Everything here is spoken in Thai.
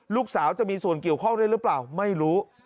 ลูกสาวจะมีส่วนเกี่ยวข้องด้วยหรือเปล่าไม่รู้